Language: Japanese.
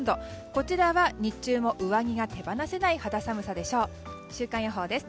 こちら日中も上着が手放せない寒さです。